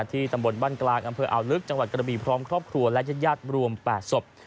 ตำบลบ้านกลางอำเภออ่าวลึกจังหวัดกระบีพร้อมครอบครัวและญาติรวม๘ศพ